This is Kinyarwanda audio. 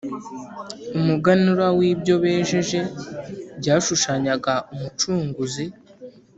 , umuganura w’ibyo bejeje, byashushanyaga Umucunguzi.